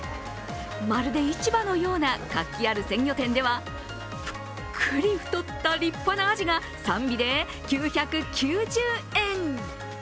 まるで市場のような活気ある鮮魚店ではぷっくり太った立派なあじが３尾で９９０円。